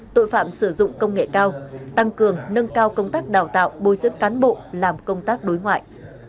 tội phạm sử dụng công nghệ cao tăng cường nâng cao công tác đào tạo bồi dưỡng cán bộ làm công tác đối ngoại